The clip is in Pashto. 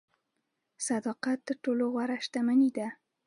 صداقت تر ټولو غوره شتمني ده.